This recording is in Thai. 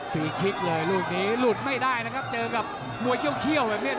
ฟิกเลยลูกนี้หลุดไม่ได้นะครับเจอกับมวยเขี้ยวแบบนี้